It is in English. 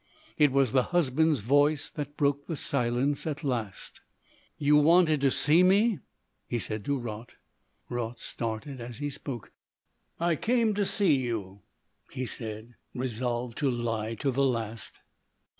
It was the husband's voice that broke the silence at last. "You wanted to see me?" he said to Raut. Raut started as he spoke. "I came to see you," he said, resolved to lie to the last.